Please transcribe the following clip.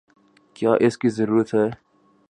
کیا اس کی ضرورت ہے؟